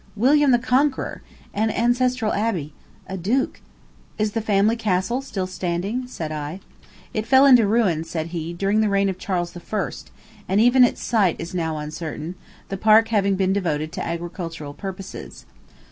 William the Conqueror! An ancestral abbey! A duke! "Is the family castle still standing?" said I. "It fell into ruins," said he, "during the reign of Charles I., and even its site is now uncertain, the park having been devoted to agricultural purposes.